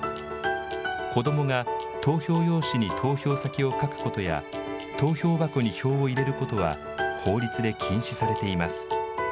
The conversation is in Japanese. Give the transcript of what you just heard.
子どもが投票用紙に投票先を書くことや投票箱に票を入れることは法律で禁止されています。